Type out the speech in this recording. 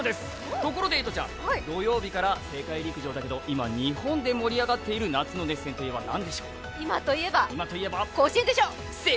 ところでえとちゃん、土曜日から世界陸上ですが、今日本で盛り上がっている今といえば甲子園でしょう。